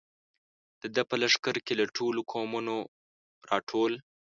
د ده په لښکر کې له ټولو قومونو را ټول.